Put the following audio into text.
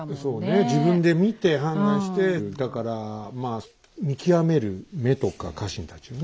自分で見て判断してだからまあ見極める目とか家臣たちをね。